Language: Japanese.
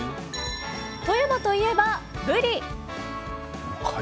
富山といえば、ブリ。